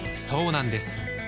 そうなんです